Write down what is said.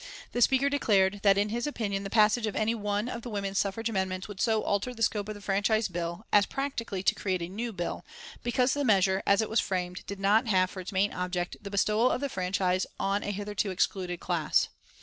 The Speaker declared that, in his opinion, the passage of any one of the woman suffrage amendments would so alter the scope of the Franchise Bill as practically to create a new bill, because the measure, as it was framed, did not have for its main object the bestowal of the franchise on a hitherto excluded class.